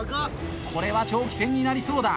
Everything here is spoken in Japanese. これは長期戦になりそうだ。